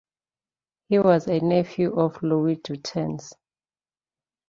He was a nephew of Louis Dutens.